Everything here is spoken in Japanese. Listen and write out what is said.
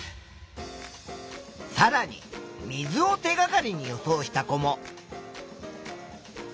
さらに水を手がかりに予想した子も。